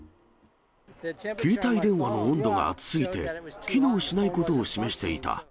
携帯電話の温度が熱すぎて、機能しないことを示していた。